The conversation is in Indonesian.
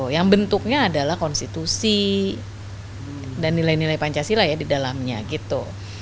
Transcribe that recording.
yang bentuknya adalah konstitusi dan nilai nilai pancasila ya di dalamnya gitu